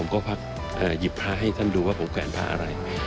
ก็พักหยิบผ้าให้ท่านดูว่าผมแขวนพระอะไร